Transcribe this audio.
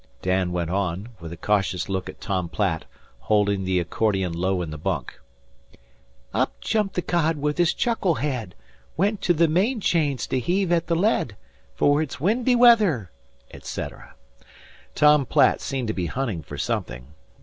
Dan went on, with a cautious look at Tom Platt, holding the accordion low in the bunk: "Up jumped the cod with his chuckle head, Went to the main chains to heave at the lead; For it's windy weather," etc. Tom Platt seemed to be hunting for something.